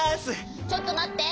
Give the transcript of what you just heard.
ちょっとまって。